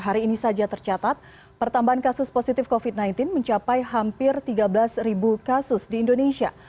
hari ini saja tercatat pertambahan kasus positif covid sembilan belas mencapai hampir tiga belas kasus di indonesia